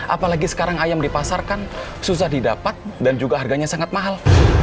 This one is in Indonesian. apalagi sekarang ayam dipasarkan susah didapat dan juga harganya sangat mahal